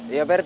iya pak rt